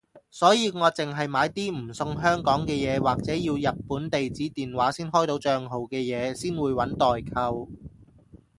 所以我淨係買啲唔送香港嘅嘢或者要日本地址電話先開到帳號嘅嘢先會搵代購